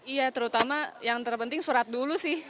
iya terutama yang terpenting surat dulu sih